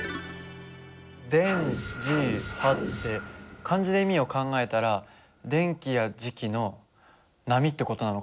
って漢字で意味を考えたら電気や磁気の波って事なのかな？